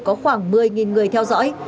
có khoảng một mươi người theo dõi